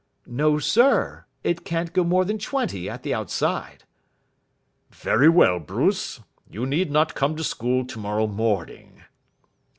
"No, sir. It can't go more than twenty at the outside." "Very well, Bruce, you need not come to school tomorrow morning."